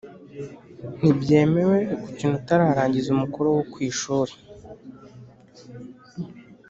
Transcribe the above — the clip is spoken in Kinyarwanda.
Ntibyemewe gukina utararangiza umukoro wo ku ishuri